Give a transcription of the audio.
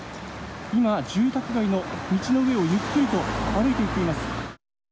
今、住宅街の道の上をゆっくりと歩いて行っています。